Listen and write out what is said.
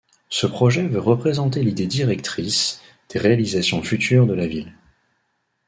Ce projet veut représenter l'idée directrice des réalisations futures de la ville.